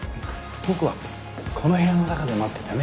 ボクはこの部屋の中で待っててね。